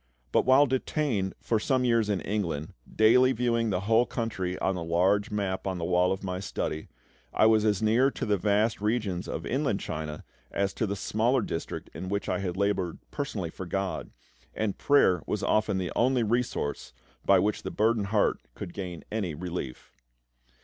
But while detained for some years in England, daily viewing the whole country on the large map on the wall of my study, I was as near to the vast regions of Inland China as to the smaller districts in which I had laboured personally for GOD; and prayer was often the only resource by which the burdened heart could gain any relief.